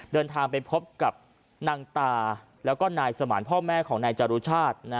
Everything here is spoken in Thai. เดินทางไปพบกับนางตาแล้วก็นายสมานพ่อแม่ของนายจรุชาติ